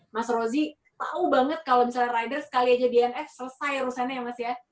mas rozi tahu banget kalau misalnya rider sekali aja dnf selesai urusannya ya mas ya